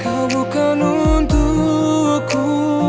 kau bukan untukku